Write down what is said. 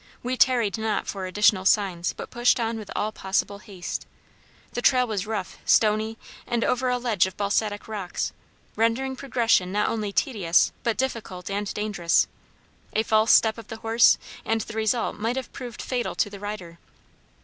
We tarried not for additional signs, but pushed on with all possible haste. The trail was rough, stony, and over a ledge of basaltic rocks, rendering progression not only tedious but difficult and dangerous; a false step of the horse, and the result might have proved fatal to the rider.